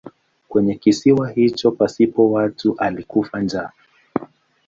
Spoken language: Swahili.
Kwenye kisiwa hicho pasipo watu alikufa njaa.